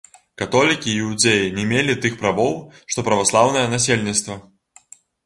Католікі і іудзеі не мелі тых правоў, што праваслаўнае насельніцтва.